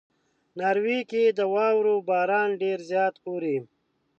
ناروې کې د واورې باران ډېر زیات اوري.